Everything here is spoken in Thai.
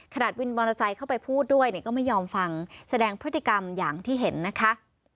วินมอเตอร์ไซค์เข้าไปพูดด้วยเนี่ยก็ไม่ยอมฟังแสดงพฤติกรรมอย่างที่เห็นนะคะ